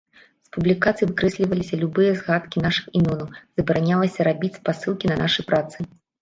З публікацый выкрэсліваліся любыя згадкі нашых імёнаў, забаранялася рабіць спасылкі на нашы працы.